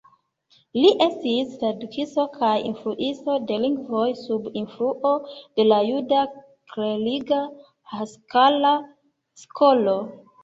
Li estis tradukisto kaj instruisto de lingvoj, sub influo de la juda kleriga Haskala-skolo.